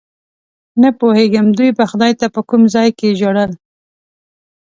نه پوهېږم دوی به خدای ته په کوم ځای کې ژړل.